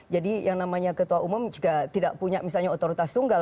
jadi yang namanya ketua umum juga tidak punya misalnya otoritas tunggal